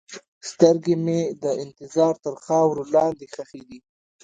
سترګې مې د انتظار تر خاورو لاندې ښخې دي.